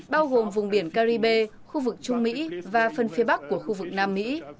bao gồm vùng biển caribe khu vực trung mỹ và phần phía bắc của khu vực nam mỹ